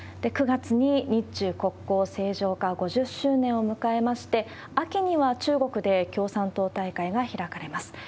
９月に日中国交正常化５０周年を迎えまして、秋には中国で共産党大会が開かれます。